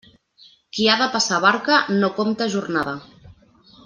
Qui ha de passar barca, no compte jornada.